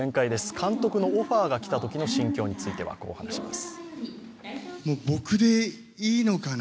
監督のオファーが来たときの心境については、こう話します。